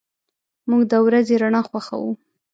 موږ د ورځې رڼا خوښو.